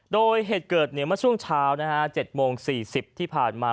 โดยเหตุเกิดเมื่อช่วงเช้า๗โมง๔๐ที่ผ่านมา